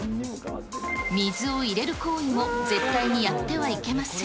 水を入れる行為も絶対にやってはいけません。